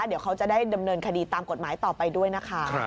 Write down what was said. เดี๋ยวเขาจะได้ดำเนินคดีตามกฎหมายต่อไปด้วยนะคะ